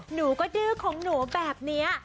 หนูก็ดื้อของหนูแบบนี้